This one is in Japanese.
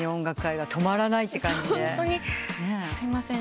すいません。